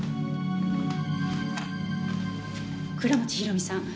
倉持広美さん